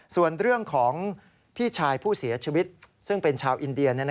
ส่วนเรื่องของพี่ชายผู้เสียชีวิตซึ่งเป็นชาวอินเดีย